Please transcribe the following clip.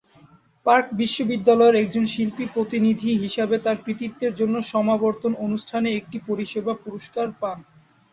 Park বিশ্ববিদ্যালয়ের একজন শিল্পী প্রতিনিধি হিসাবে তার কৃতিত্বের জন্য সমাবর্তন অনুষ্ঠানে একটি পরিষেবা পুরস্কার পান।